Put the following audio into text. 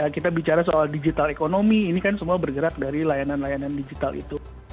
kita bicara soal digital ekonomi ini kan semua bergerak dari layanan layanan digital itu